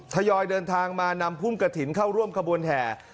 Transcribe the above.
ทยอยเดินทางมานำพุ่มกระถิ่นเข้าร่วมขบวนแห่